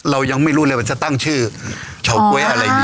เรายังไม่รู้เลยว่าจะตั้งชื่อเฉาก๊วยอะไรอย่างนี้